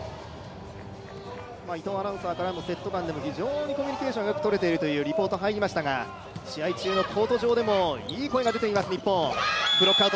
伊藤アナウンサーからもセット間で非常にいいコミュニケーションがとれているとリポートが入りましたが、試合中のコート上でもいい声が出ています、日本。